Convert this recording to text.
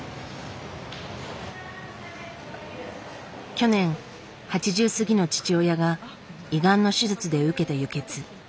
去年８０過ぎの父親が胃がんの手術で受けた輸血。